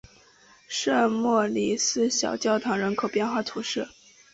圣莫里斯小教堂人口变化图示